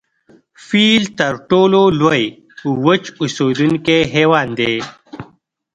فیل تر ټولو لوی وچ اوسیدونکی حیوان دی